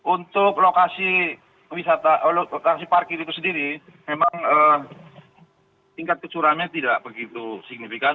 untuk lokasi parkir itu sendiri memang tingkat kecurangannya tidak begitu signifikan